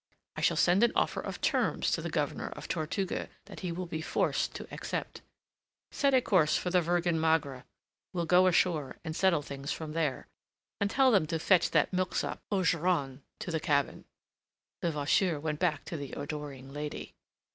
I shall send an offer of terms to the Governor of Tortuga that he will be forced to accept. Set a course for the Virgen Magra. We'll go ashore, and settle things from there. And tell them to fetch that milksop Ogeron to the cabin." Levasseur went back to the adoring lady.